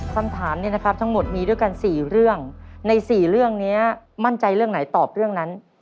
คำถามเนี่ยนะครับทั้งหมดมีด้วยกัน๔เรื่องใน๔เรื่องนี้มั่นใจเรื่องไหนตอบเรื่องนั้น